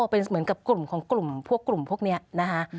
เป็นเหมือนกับกลุ่มของกลุ่มพวกกลุ่มพวกนี้นะคะ